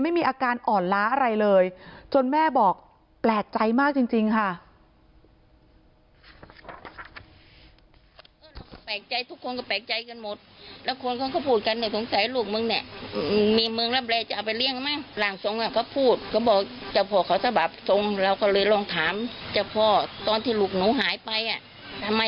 ไม่มีอาการอ่อนล้าอะไรเลยจนแม่บอกแปลกใจมากจริงค่ะ